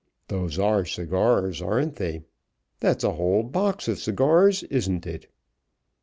"Those are cigars, aren't they? That's a whole box of cigars, isn't it?"